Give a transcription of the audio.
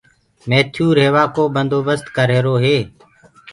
ميٿيو ريهوآ ڪو بندوبست ڪرريهرو هي